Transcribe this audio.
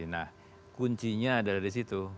nah kuncinya adalah di situ